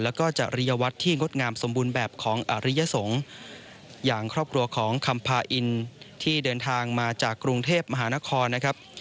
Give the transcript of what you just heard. แล้วก็จริยวัตรที่งดงามสมบูรณ์แบบของอริยสงฆ์อย่างครอบครัวของคำพาอินที่เดินทางมาจากกรุงเทพมหานครนะครับ